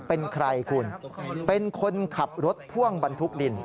เป็นใครคุณเป็นคนขับรถพ่วงบรรทุกดิน